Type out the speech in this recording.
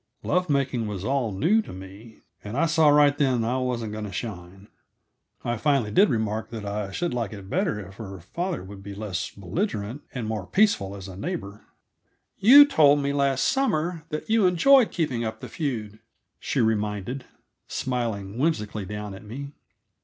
Love making was all new to me, and I saw right then that I wasn't going to shine. I finally did remark that I should like it better if her father would be less belligerent and more peaceful as a neighbor. "You told me, last summer, that you enjoyed keeping up the feud," she reminded, smiling whimsically down at me.